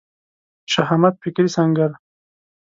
شهامت فکري سنګر